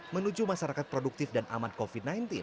menuju masyarakat produktif dan aman covid sembilan belas